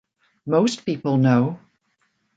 Most people know.